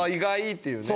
っていうね。